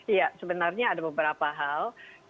iya sebenarnya ada beberapa hal